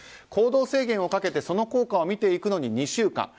行動制限をかけてその効果を見ていくのに２週間。